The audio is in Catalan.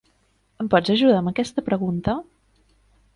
Em pots ajudar amb aquesta pregunta?